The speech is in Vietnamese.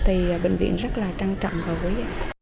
thì bệnh viện rất là trang trọng và quý